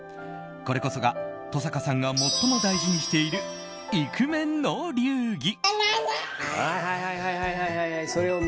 これこそが登坂さんが最も大事にしているイクメンの流儀。